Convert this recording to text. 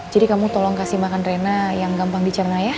jadi kamu tolong kasih makan rena yang gampang dicerna ya